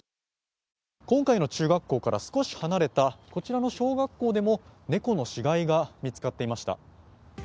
今回の中学校から少し離れたこちらの小学校でも猫の死骸が見つかっていました。